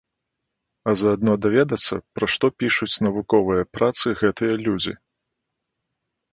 А заадно даведацца, пра што пішуць навуковыя працы гэтыя людзі.